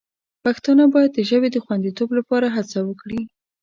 پښتانه باید د ژبې د خوندیتوب لپاره هڅه وکړي.